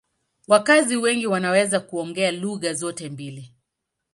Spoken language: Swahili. Wakazi wengi wanaweza kuongea lugha zote mbili.